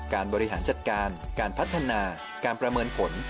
บริหารจัดการการพัฒนาการประเมินผล